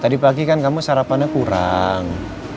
tadi pagi kan kamu sarapannya kurang